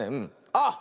あっ！